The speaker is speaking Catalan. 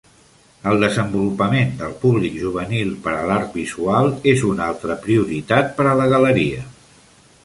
El desenvolupament del públic juvenil per a l'art visual és una altra prioritat per a la galeria.